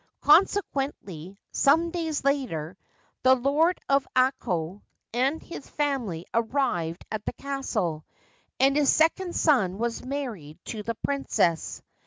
Consequently, some days later, the Lord of Ako and his family arrived at the Castle, and his second son was married to the Princess.